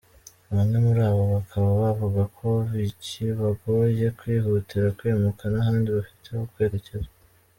Bamwe muribo bakaba bavuga ko bikibagoye kwihutira kwimuka ntahandi bafite ho kwererekeza.